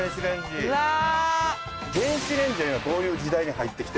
電子レンジは今どういう時代に入ってきてるんですか？